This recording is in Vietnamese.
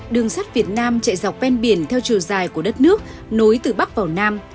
đường sắt việt nam chạy dọc ven biển theo chiều dài của đất nước nối từ bắc vào nam